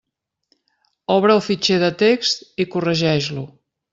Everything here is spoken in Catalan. Obre el fitxer de text i corregeix-lo.